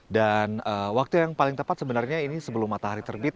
dan waktu yang paling tepat sebenarnya ini sebelum matahari terbit